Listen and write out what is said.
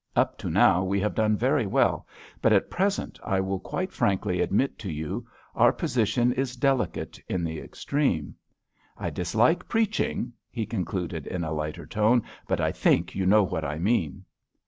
Up to now we have done very well, but at present, I will quite frankly admit to you, our position is delicate in the extreme. I dislike preaching," he concluded in a lighter tone, "but I think you know what I mean."